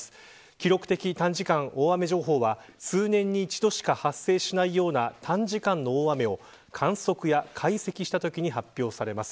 記録的短時間大雨情報は数年に一度しか発生しないような短時間の大雨を観測や解析したときに発表されます。